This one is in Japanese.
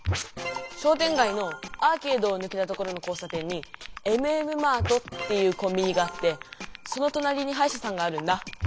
しょうてんがいのアーケードをぬけた所の交さ点にエムエムマートっていうコンビニがあってそのとなりにはいしゃさんがあるんだ。